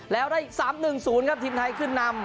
แล้วได้๓๑๐ครับทีมไทยขึ้นนำ